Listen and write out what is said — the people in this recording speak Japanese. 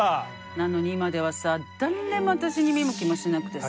なのに今ではさ誰も私に見向きもしなくてさ。